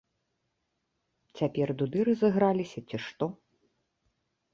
Цяпер дуды разыграліся, ці што.